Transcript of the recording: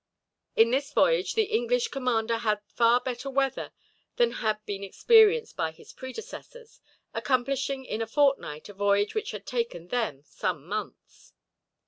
In this voyage the English commander had far better weather than had been experienced by his predecessors, accomplishing in a fortnight a voyage which had taken them some months.